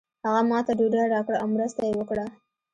هغه ماته ډوډۍ راکړه او مرسته یې وکړه.